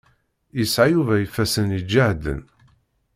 Yesɛa Yuba ifassen iǧehden.